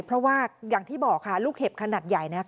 เพราะว่าอย่างที่บอกค่ะลูกเห็บขนาดใหญ่